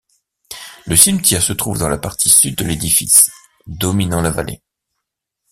Le cimetière se trouve dans la partie sud de l'édifice, dominant la vallée.